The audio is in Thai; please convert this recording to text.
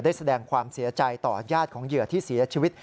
แสดงความเสียใจต่อญาติของเหยื่อที่เสียชีวิต